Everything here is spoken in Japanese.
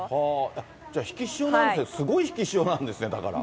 じゃあ、引き潮なんですね、すごい引き潮なんですね、だから。